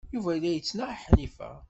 Yuba la yettnaɣ Ḥnifa.